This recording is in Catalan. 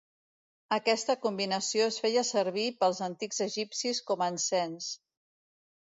Aquesta combinació es feia servir pels antics egipcis com a encens.